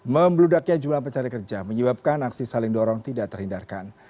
membeludaknya jumlah pencari kerja menyebabkan aksi saling dorong tidak terhindarkan